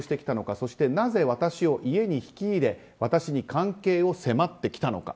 そして、なぜ私を家に引き入れ私に関係を迫ってきたのか。